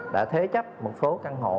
đã thế chấp một số căn hộ